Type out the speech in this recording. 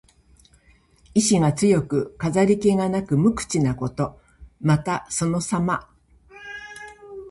意思が強く、飾り気がなく無口なこと。また、そのさま。